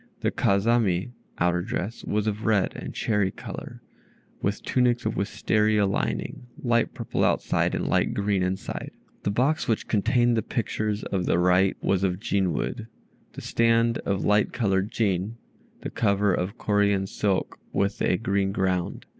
Their Kazami (outer dress) was of red and cherry color, with tunics of Wistaria lining (light purple outside, and light green within). The box which contained the pictures of the right was of "Jin" wood, the stand of light colored "Jin," the cover of Corean silk with a green ground.